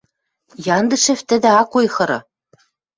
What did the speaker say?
Яндышев тӹдӹ ак ойхыры...